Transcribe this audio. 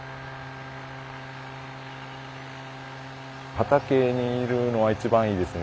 畑にいるのは一番いいですね。